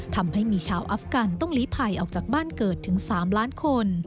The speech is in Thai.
ทำให้มีชาวอัฟกันต้องลีภัยออกจากบ้านเกิดถึง๓ล้านคน